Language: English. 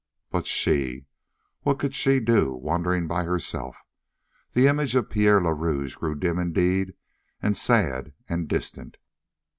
But she! What could she do wandering by herself? The image of Pierre le Rouge grew dim indeed and sad and distant.